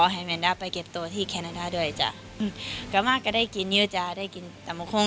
ยังมีทราบเก็บตัวได้เลยเห็นไหมว่าเธอเป็นแนวคุ้มแนวคุ้ม